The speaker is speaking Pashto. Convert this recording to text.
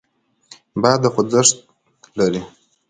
باد خوځښت لري.